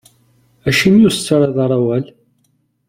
Acimi ur as-d-tettarraḍ ara awal?